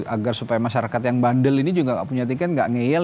agar supaya masyarakat yang bandel ini juga nggak punya tiket nggak ngeyel